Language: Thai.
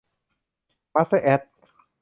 มาสเตอร์ แอด